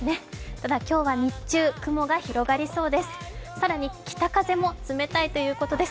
ただ今日は日中、雲が広がりそうです。